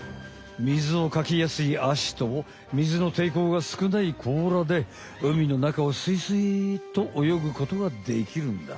みずをかきやすいアシとみずのていこうがすくない甲羅で海の中をすいすいっとおよぐことができるんだ。